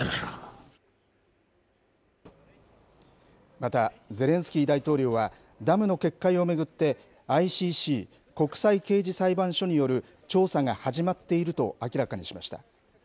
また、ゼレンスキー大統領は、ダムの決壊を巡って、ＩＣＣ・国際刑事裁判所による調査が始まっていると明らかにしました。